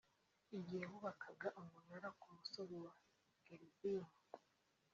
igihe bubakaga umunara ku musozi wa Gerizim